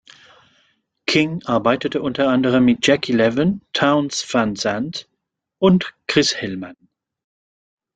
King arbeitete unter anderem mit Jackie Leven, Townes Van Zandt und Chris Hillman.